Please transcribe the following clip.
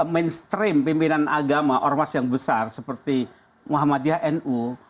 mainstream pimpinan agama ormas yang besar seperti muhammadiyah nu